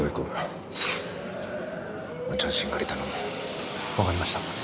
分かりました。